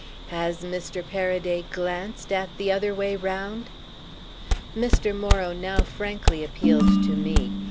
Has Mr. Paraday glanced at 'The Other Way Round'?" Mr. Morrow now frankly appealed to me.